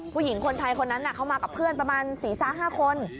ผู้หญิงคนไทยคนนั้นเขามากับเพื่อนประมาณ๔๕คน